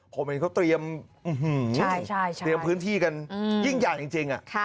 ผมเห็นเขาเตรียมพื้นที่กันยิ่งใหญ่จริง